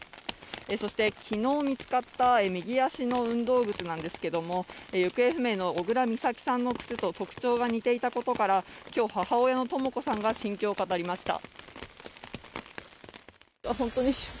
そして、昨日見つかった右足の運動靴ですけれども、行方不明の小倉美咲さんの靴と特徴が似ていたことから今日、母親のとも子さんが心境を語りました。